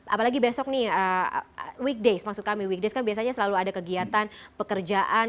apalagi besok nih weekdays maksud kami weekdays kan biasanya selalu ada kegiatan pekerjaan